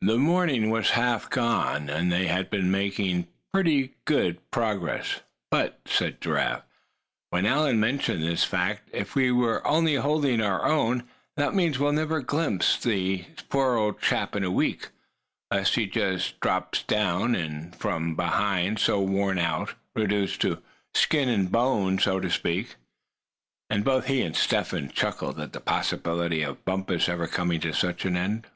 The morning was half gone, and they had been making pretty fair progress. "But," said Giraffe, when Allan mentioned this fact, "if we're only holding our own, that means we'll never glimpse the poor old chap in a week, 'less he just drops down from being so worn out, reduced to skin and bones, so to speak," and both he and Step Hen chuckled at the possibility of Bumpus ever coming to such an end.